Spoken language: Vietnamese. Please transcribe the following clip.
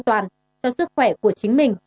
không được kiện